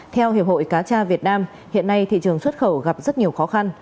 theo hiệp hội cá tra việt nam hiện nay thị trường xuất khẩu gặp rất nhiều khó khăn